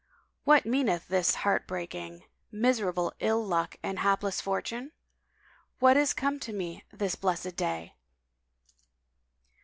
What meaneth this heart breaking, miserable ill luck and hapless fortune? What is come to me this blessed day?